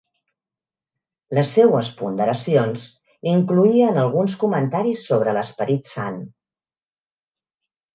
Les seues ponderacions incloïen alguns comentaris sobre l'Esperit Sant.